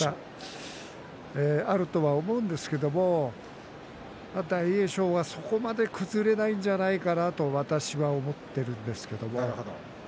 あるとは思うんですけれど大栄翔が、そこまで崩れないんじゃないかなと私は思っているんですけれど。